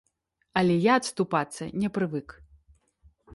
Але я адступацца не прывык.